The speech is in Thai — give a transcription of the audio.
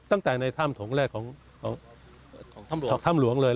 ตั้งแต่ในถ้ำถงแรกของถ้ำหลวงเลย